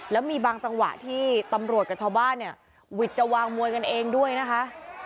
แล้วมีบางจังหวะที่ตำรวจกับชาวบ้านเนี่ยวิทย์จะวางมวยกันเองด้วยนะคะ